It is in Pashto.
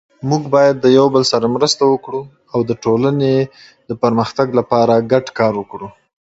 موگ باید د یو بل سره مرسته وکړو او د ټولنې د پرمختگ لپاره گډ کار وکړو